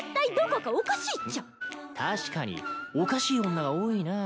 確かにおかしい女が多いなぁラム。